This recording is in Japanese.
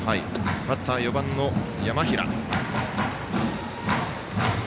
バッター、４番の山平。